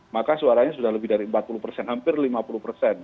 maka suaranya sudah lebih dari empat puluh persen hampir lima puluh persen